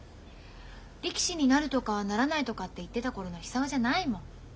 力士になるとかならないとかって言ってた頃の久男じゃないもん。